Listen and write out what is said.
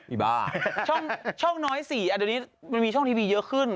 อีบ้าช่องน้อย๔เดี๋ยวนี้มันมีช่องทีวีเยอะขึ้น